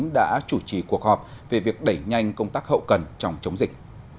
đã chủ trì cuộc họp về việc đẩy nhanh công tác hậu cần trong chống dịch